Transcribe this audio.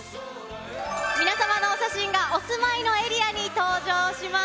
皆さんのお写真がお住まいのエリアに登場します。